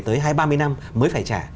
tới hai mươi ba mươi năm mới phải trả